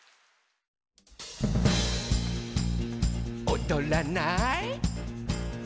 「おどらない？」